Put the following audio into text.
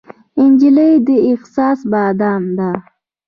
نجلۍ د احساس بادام ده.